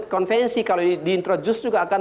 konvensi kalau di introduce juga akan